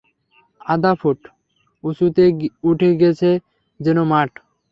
আধাফুঠ উঁচুতে উঠে গেছে যেন মাঠ।